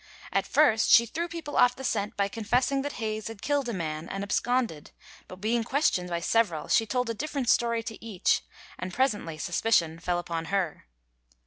At first she threw people off the scent by confessing that Hayes had killed a man and absconded, but being questioned by several she told a different story to each, and presently suspicion fell upon her.